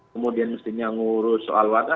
kemudian mestinya ngurus soal wadah